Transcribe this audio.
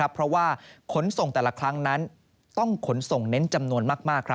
เพราะว่าขนส่งแต่ละครั้งนั้นต้องขนส่งเน้นจำนวนมาก